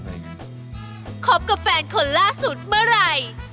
คบกับแฟนคนล่าสุดเมื่อไหร่